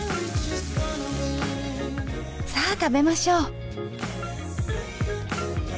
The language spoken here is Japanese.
さぁ食べましょう。